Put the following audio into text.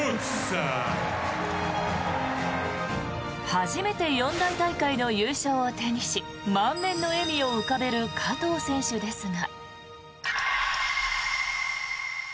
初めて四大大会の優勝を手にし満面の笑みを浮かべる加藤選手ですが。